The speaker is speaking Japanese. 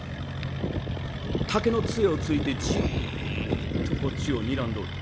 竹の杖をついてじっとこっちをにらんどる。